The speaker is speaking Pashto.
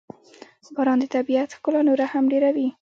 • باران د طبیعت ښکلا نوره هم ډېروي.